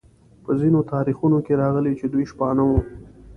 په ځینو تاریخونو کې راغلي چې دوی شپانه وو.